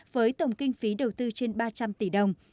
với tổng kinh phí đầu tư trên ba trường